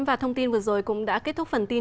và thông tin vừa rồi cũng đã kết thúc phần tin